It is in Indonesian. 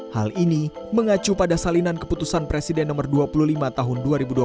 hal ini mengacu pada salinan keputusan presiden nomor dua puluh lima tahun dua ribu dua puluh